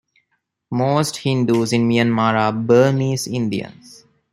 Most Hindus in Myanmar are Burmese Indians.